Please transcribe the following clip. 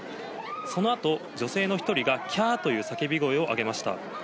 そのあと、女性の１人が、きゃーという叫び声を上げました。